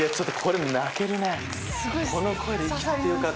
泣けるねこの声で「生きててよかった」。